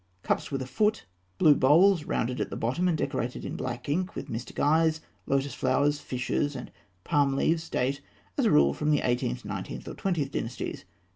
Cups with a foot (fig. 232), blue bowls, rounded at the bottom and decorated in black ink with mystic eyes, lotus flowers, fishes (fig. 233), and palm leaves, date, as a rule, from the Eighteenth, Nineteenth, or Twentieth Dynasties.